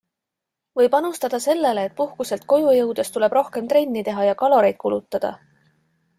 Või panustada sellele, et puhkuselt koju jõudes tuleb rohkem trenni teha ja kaloreid kulutada.